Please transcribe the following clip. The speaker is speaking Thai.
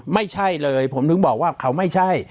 ไม่ใช่เลยผมถึงบอกว่าเขาไม่ใช่